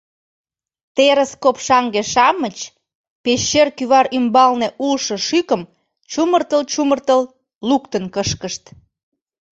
Терыс копшаҥге-шамыч пещер кӱвар ӱмбалне улшо шӱкым чумыртыл-чумыртыл луктын кышкышт.